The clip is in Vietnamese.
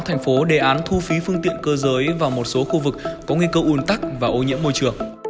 thành phố đề án thu phí phương tiện cơ giới vào một số khu vực có nguy cơ un tắc và ô nhiễm môi trường